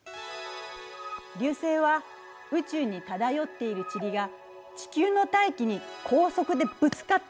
流星は宇宙に漂っている塵が地球の大気に高速でぶつかって光る現象なの。